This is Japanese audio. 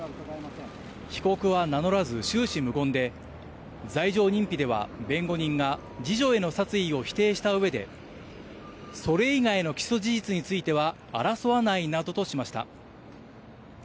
被告は名乗らず終始無言で、罪状認否では、弁護人が二女への殺意を否定した上で、それ以外の起訴事実については争わないなどとしました。